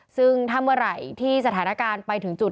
ซึ่งถ้าเมื่อไหร่ที่สถานการณ์ไปถึงจุด